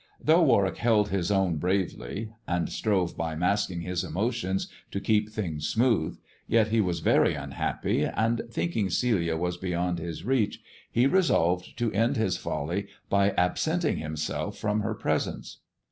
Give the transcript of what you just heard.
Though Warwick held his own bravely, and strove by masking his emotions to keep things smooth, yet he was very unhappy, and, thinking Celia was beyond his reach, he resolved to end his folly by absenting himself from her presence.